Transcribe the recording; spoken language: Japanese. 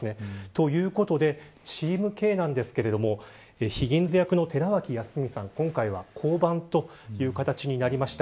ということで、チームＫですがヒギンス役の寺脇康文さんは今回は降板という形になりました。